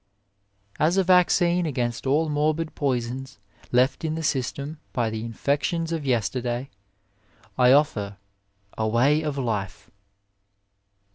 As a vaccine against all morbid poisons left in the system by the infections of yesterday, I offer " a way of life."